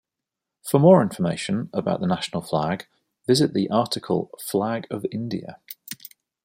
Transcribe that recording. For more information about the national flag, visit the article Flag of India.